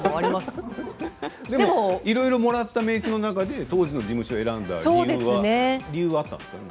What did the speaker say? そのいろいろな名刺の中で当時の事務所を選んだ理由は？